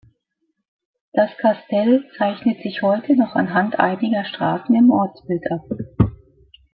Das Kastell zeichnet sich heute noch anhand einiger Straßen im Ortsbild ab.